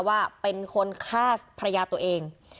ว่าเป็นคนฆ่าภรรยาตัวเอง